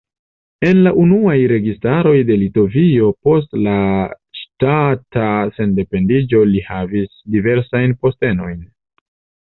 En la unuaj registaroj de Litovio post la ŝtata sendependiĝo li havis diversajn postenojn.